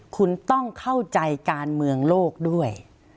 คุณต้องเข้าใจการเมืองโลกด้วย